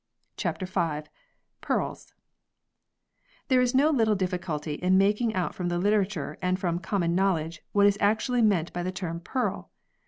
CHAPTER V PEARLS THERE is no little difficulty in making out from the literature and from "common knowledge" what is actually meant by the term "pearl."